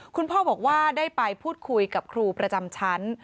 คุณพ่อบอกว่าได้ไปพูดคุยกับครูประจำชั้น